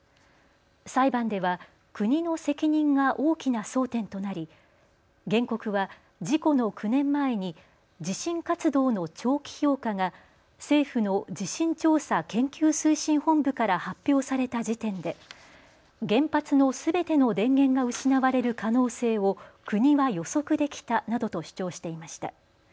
裁判では国の責任が大きな争点となり原告は事故の９年前に地震活動の長期評価が政府の地震調査研究推進本部から発表された時点で原発のすべての電源が失われる可能性を国は予測できたなどと主張していました。